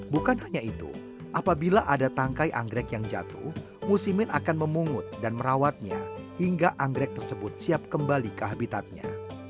bukan hanya itu apabila ada tangkai anggrek yang jatuh musimin akan memungut dan merawatnya hingga anggrek tersebut siap kembali ke habitatnya